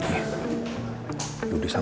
oh ya discut